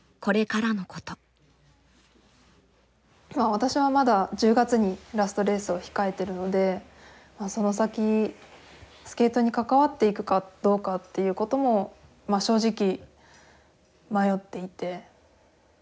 私はまだ１０月にラストレースを控えてるのでその先スケートに関わっていくかどうかっていうことも正直迷っていて。